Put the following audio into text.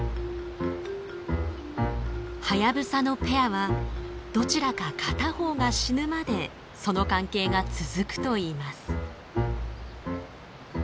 ハヤブサのペアはどちらか片方が死ぬまでその関係が続くといいます。